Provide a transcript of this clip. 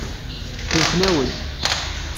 Kellxen-awen.